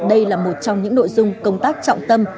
đây là một trong những nội dung công tác trọng tâm